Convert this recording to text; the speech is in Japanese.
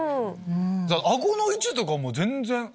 顎の位置とかも全然。